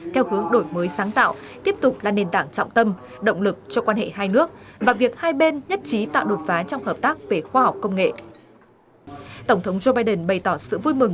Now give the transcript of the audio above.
tổng thống joe biden bày tỏ sự vui mừng